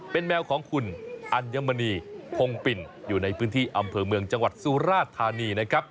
เป็นแมวของคุณอัญมณีพงปิ่นอยู่ในพื้นที่อำเภอเมืองจังหวัดสุราธานีนะครับ